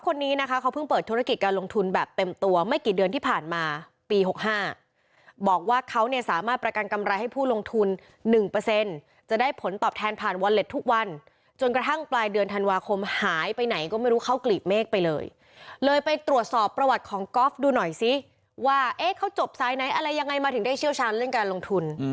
ก็ถึงได้เชี่ยวชาญเรื่องการลงทุน